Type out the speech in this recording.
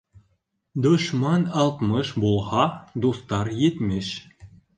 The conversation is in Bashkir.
Дошман алтмыш булһа, дуҫтар етмеш.